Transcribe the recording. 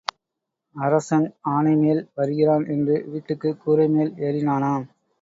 அரசன் ஆனைமேல் வருகிறான் என்று வீட்டுக் கூரைமேல் ஏறினானாம்.